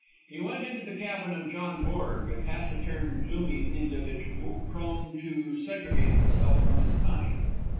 He went into the cabin of John Borg, a taciturn, gloomy individual, prone to segregate himself from his kind.